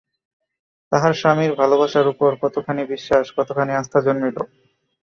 তাহার স্বামীর ভালবাসার উপর কতখানি বিশ্বাস, কতখানি আস্থা জন্মিল!